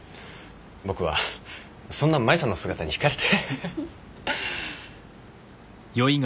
僕はそんな舞さんの姿に引かれて。